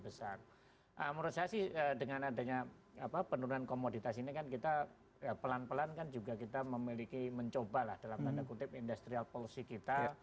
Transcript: menurut saya sih dengan adanya penurunan komoditas ini kan kita pelan pelan kan juga kita memiliki mencoba lah dalam tanda kutip industrial policy kita